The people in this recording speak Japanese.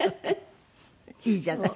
いいじゃない。